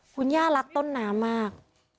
คุณย่ารักต้นน้ำมาก